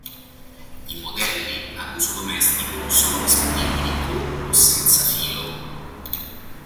I modelli a uso domestico sono disponibili con o senza filo.